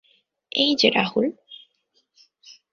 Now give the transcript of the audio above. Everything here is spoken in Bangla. এই যে রাহুল।